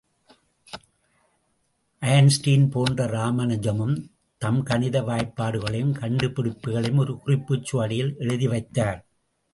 Einstein போன்று இராமானுஜமும் தம் கணித வாய்பாடுகளையும் கண்டுபிடிப்புகளையும் ஒரு குறிப்புச் சுவடியில் எழுதிவைத்தார்.